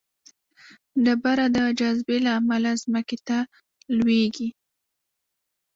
ډبره د جاذبې له امله ځمکې ته لویږي.